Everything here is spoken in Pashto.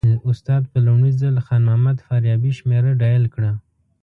استاد په لومړي ځل خان محمد فاریابي شمېره ډایل کړه.